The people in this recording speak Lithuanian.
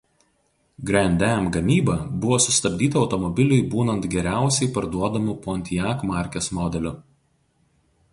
Grand Am gamyba buvo sustabdyta automobiliui būnant geriausiai parduodamu Pontiac markės modeliu.